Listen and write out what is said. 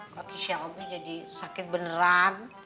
kaki selby jadi sakit beneran